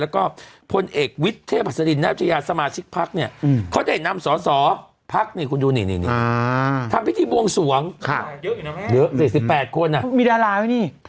แล้วก็พลเอกวิทเทพศรินทร์นาฬิชยาสมาชิกภักดิ์เนี่ย